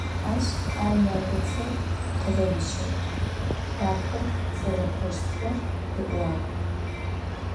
Ащ ар елбэтэу къыгъэущыгъ, шакӏо зэрэкӏощтхэр риӏуагъ.